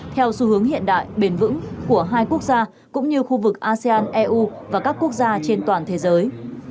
theo xu hướng hiện đại bền vững của hai quốc gia cũng như khu vực asean eu và các quốc gia trên toàn thế giới